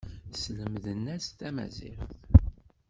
Slemden-as tamaziɣt.